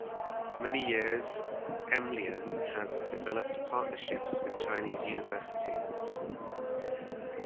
For many years, emlyon has developed partnerships with Chinese universities.